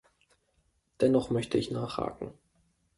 Dennoch möchte ich nachhaken.